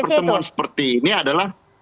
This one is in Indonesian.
pertemuan seperti ini adalah